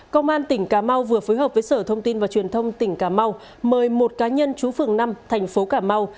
công an tỉnh cà mau vừa phối hợp với sở thông tin và truyền thông tỉnh cà mau mời một cá nhân chú phường năm thành phố cà mau